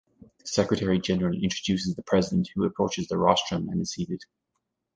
The Secretary General introduces the President, who approaches the rostrum and is seated.